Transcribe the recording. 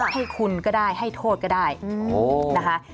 ให้คุณก็ได้ให้โทษก็ได้นะคะ